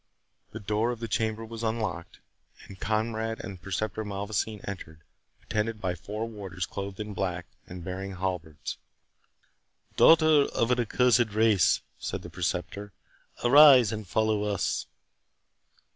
The door of the chamber was unlocked, and Conrade and the Preceptor Malvoisin entered, attended by four warders clothed in black, and bearing halberds. "Daughter of an accursed race!" said the Preceptor, "arise and follow us."